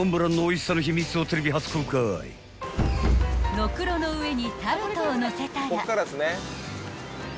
［ろくろの上にタルトをのせたら］